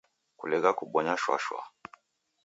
Kulegha kubonya shwa -shwa